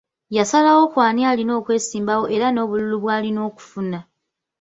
Yasalawo ku ani alina okwesimbawo era n’obululu bw’alina okufuna.